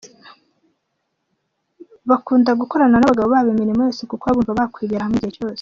Bakunda gukorana n’abagabo babo imirimo yose kuko baba bumva bakwibera hamwe igihe cyose.